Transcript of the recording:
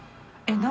何？